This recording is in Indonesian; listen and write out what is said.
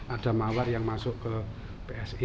ada mawar yang masuk ke psi